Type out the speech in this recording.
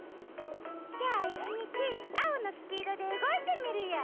きょういちにちアオのスピードでうごいてみるよ。